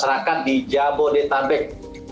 lima serakat di jabodetabek